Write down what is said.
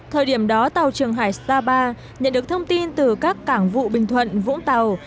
thời điểm đó tàu trường hải saba nhận được thông tin từ các cảng vụ bình thuận vũng tàu